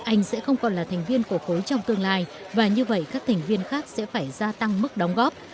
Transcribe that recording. anh sẽ không còn là thành viên của khối trong tương lai và như vậy các thành viên khác sẽ phải gia tăng mức đóng góp